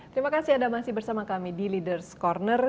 terima kasih anda masih bersama kami di leaders' corner